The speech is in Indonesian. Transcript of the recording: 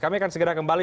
kami akan segera kembali